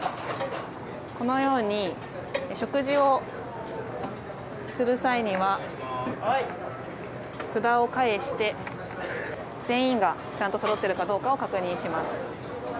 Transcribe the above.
このように食事をする際には札を返して全員がそろっているかどうかを確認します。